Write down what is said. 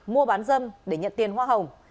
mua bán dâm để nhận tiền hoa hồng